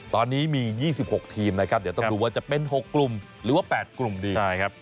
ตอนนี้มี๒๖ทีมนะครับเดี๋ยวต้องดูว่าจะเป็น๖กลุ่มหรือว่า๘กลุ่มดีใช่ครับ